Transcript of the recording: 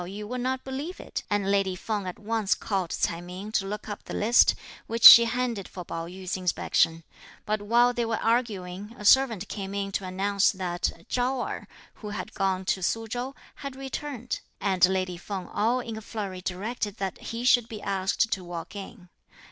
Pao yü would not believe it, and lady Feng at once called Ts'ai Ming to look up the list, which she handed for Pao yü's inspection; but while they were arguing a servant came in to announce that Chao Erh, who had gone to Su Chow, had returned, and lady Feng all in a flurry directed that he should be asked to walk in.